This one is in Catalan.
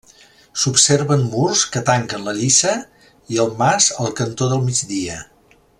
S'observen murs que tanquen la lliça i el mas al cantó del migdia.